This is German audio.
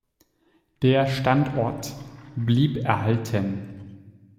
Der Standort blieb erhalten.